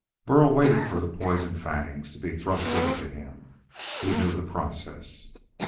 Burl waited for the poison fangs to be thrust into him. He knew the process.